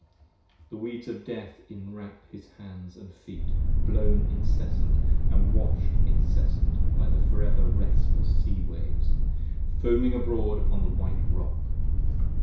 5 The weeds of Death inwrap his hands & feet, blown incessant And wash'd incessant by the for ever restless sea waves, foaming abroad Upon the white Rock.